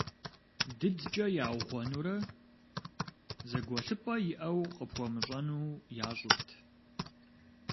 ДыдкӀэ яугъуэнурэ, зэгуэлъыпӀэ иӀэу къыпхуэмыщӀэну, ящӀырт.